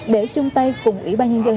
để chung tay cùng ủy ban nhân dân